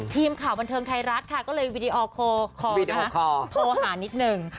ทีมข่าวบันเทิงไทรรัฐค่ะก็เลยวิดีโอโคลนะโทหะนิดนึง